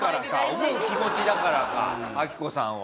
思う気持ちだからかアキコさんを。